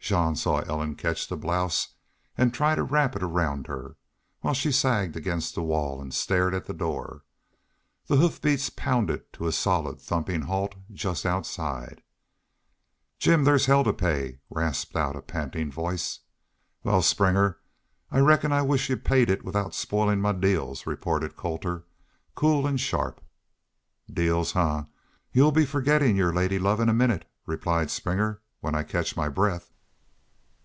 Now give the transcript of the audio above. Jean saw Ellen catch the blouse and try to wrap it around her, while she sagged against the wall and stared at the door. The hoof beats pounded to a solid thumping halt just outside. "Jim thar's hell to pay!" rasped out a panting voice. "Wal, Springer, I reckon I wished y'u'd paid it without spoilin' my deals," retorted Colter, cool and sharp. "Deals? Ha! Y'u'll be forgettin' your lady love in a minnit," replied Springer. "When I catch my breath."